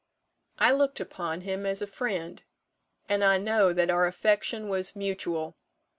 I looked upon him as a friend; and I know that our affection was mutual.